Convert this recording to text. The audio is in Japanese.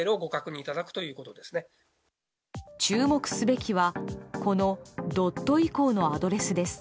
注目すべきはこの「．」以降のアドレスです。